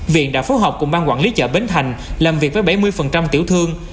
viện đã phối hợp cùng ban quản lý chợ bến thành làm việc với bảy mươi tiểu thương